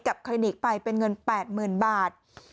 กับคลินิกไปเป็นเงิน๘หมื่นบาท